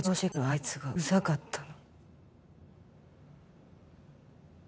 いつがうざかったの。